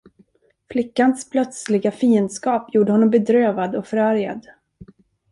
Flickans plötsliga fiendskap gjorde honom bedrövad och förargad.